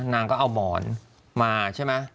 นางก็เอาหมอนมาใช่ไหม